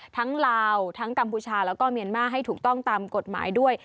ลาวทั้งกัมพูชาแล้วก็เมียนมาร์ให้ถูกต้องตามกฎหมายด้วย